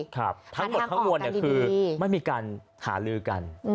ทั้งหมดทั้งมวลคือไม่มีการหาลือกัน